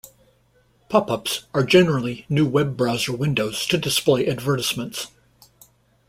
Pop-ups are generally new web browser windows to display advertisements.